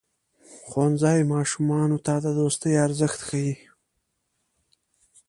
ښوونځی ماشومانو ته د دوستۍ ارزښت ښيي.